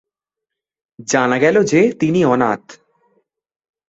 জানা গেল যে তিনি অনাথ।